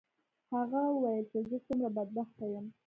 هغه وویل چې زه څومره بدبخته یم.